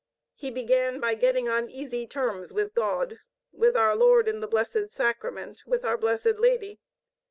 He began by getting on easy terms with God, with our Lord in the Blessed Sacrament, with our Blessed Lady.